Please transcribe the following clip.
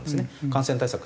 感染対策